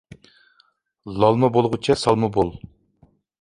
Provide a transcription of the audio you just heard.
لالما بولغۇچە سالما بول.